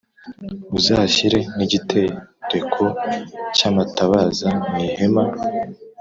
Uzashyire n’ igitereko cy’ amatabaza mw’ ihema